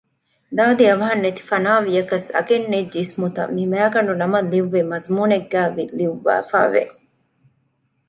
ދާދި އަވަހަށް ނެތިފަނާވިޔަކަސް އަގެއްނެތް ޖިސްމުތައް މި މައިގަނޑުނަމަށް ލިޔުއްވި މަޒުމޫނެއްގައި ލިޔުއްވާފައިވެ